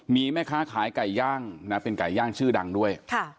มีแม่ค้าขายไก่ย่างนะเป็นไก่ย่างชื่อดังด้วย